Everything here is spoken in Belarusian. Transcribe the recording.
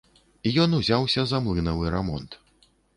Ён узяўся за млынавы рамонт.